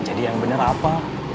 jadi yang bener apa